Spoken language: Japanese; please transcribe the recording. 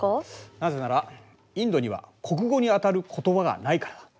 なぜならインドには国語にあたる言葉がないからだ。